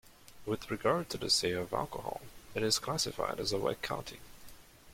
With regard to the sale of alcohol, it is classified as a wet county.